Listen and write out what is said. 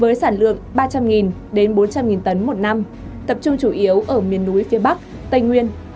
với sản lượng ba trăm linh đến bốn trăm linh tấn một năm tập trung chủ yếu ở miền núi phía bắc tây nguyên